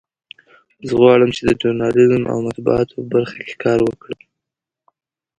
زه غواړم چې د ژورنالیزم او مطبوعاتو په برخه کې کار وکړم